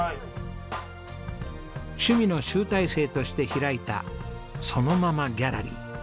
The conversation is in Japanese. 趣味の集大成として開いたそのままギャラリー。